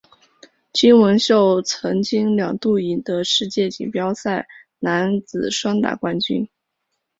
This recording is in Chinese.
金文秀曾经两度赢得世界锦标赛男子双打冠军。